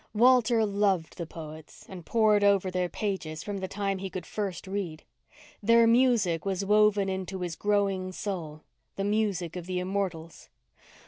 Walter loved the poets and pored over their pages from the time he could first read. Their music was woven into his growing soul—the music of the immortals.